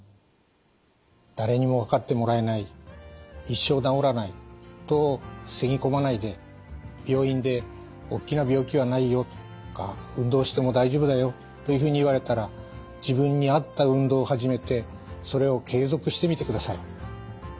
一生治らないとふさぎ込まないで病院で「おっきな病気はないよ」とか「運動しても大丈夫だよ」というふうに言われたら自分に合った運動を始めてそれを継続してみてください。